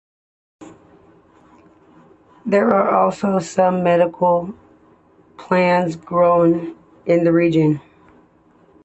There are also some medicinal plants grown in the region.